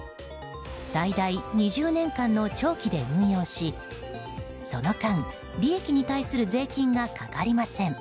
最大２０年間の長期で運用しその間、利益に対する税金がかかりません。